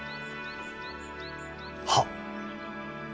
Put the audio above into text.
はっ。